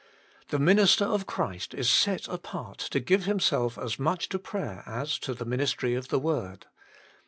The minister of Christ is set apart to give himself as much to prayer as to the ministry of the word.